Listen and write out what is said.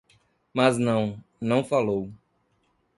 Mas não; não falou